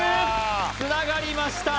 つながりました